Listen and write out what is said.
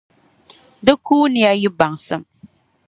di kuuniya yi baŋsim.